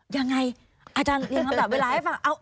ยังไงอาจารย์เรียงลำดับเวลาให้ฟัง